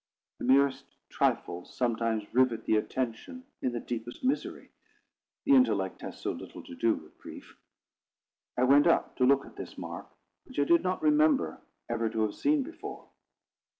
The merest trifles sometimes rivet the attention in the deepest misery; the intellect has so little to do with grief. I went up to look at this mark, which I did not remember ever to have seen before.